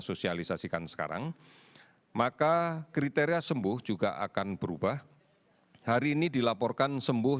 sosialisasikan sekarang maka kriteria sembuh juga akan berubah hari ini dilaporkan sembuh